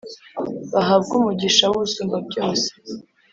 bahabwe umugisha w’Umusumbabyose.